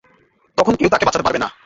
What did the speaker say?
তখন কেউ তাকে বাঁচাতে পারবে না।